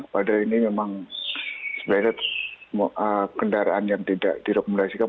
padahal ini memang sepeda kendaraan yang tidak direkumulasikan